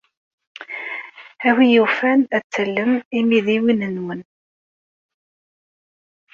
A win yufan ad tallem imidiwen-nwen.